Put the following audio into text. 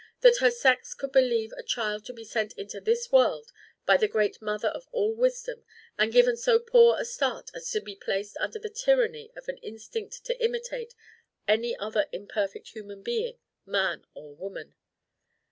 That her sex could believe a child to be sent into this world by the great Mother of all wisdom and given so poor a start as to be placed under the tyranny of an instinct to imitate any other imperfect human being man or woman.